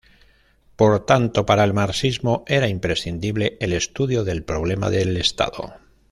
Por tanto, para el marxismo, era imprescindible el estudio del problema del Estado.